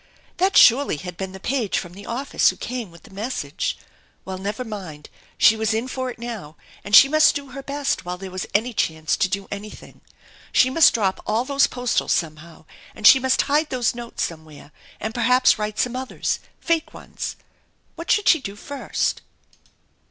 That surely had been the page from the office who came with the message? Well, never mind, she was in for it now, and she must do her best while there was any chance to do anything. She must drop all those postals somehow, and she must hide those notes somewhere, and perhaps write some others, fake ones. What should she do first